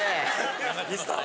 ミスター？